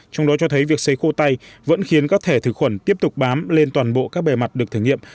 trong đó cho thấy việc xấy khô tay vẫn khiến các thể thực khuẩn tiếp tục bám lên toàn bộ các bề mặt được thử nghiệm